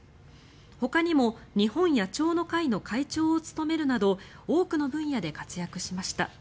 ほかにも日本野鳥の会の会長を務めるなど多くの分野で活躍しました。